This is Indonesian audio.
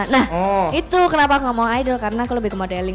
nah itu kenapa aku gak mau idol karena aku lebih ke modeling